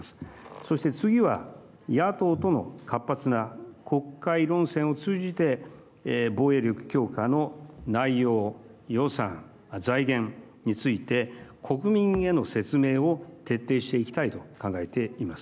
そして次は野党との活発な国会論戦を通じて防衛力強化の内容、予算財源について国民への説明を徹底していきたいと考えています。